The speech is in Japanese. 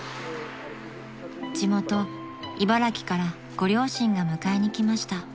［地元茨城からご両親が迎えにきました］